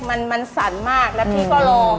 มันสั่นมากแล้วพี่ก็รอ